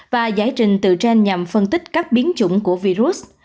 và giải trình từ trên nhằm phân tích các biến chủng của virus